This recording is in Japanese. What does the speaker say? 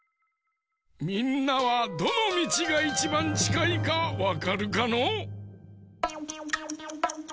みんなはどのみちがいちばんちかいかわかるかのう？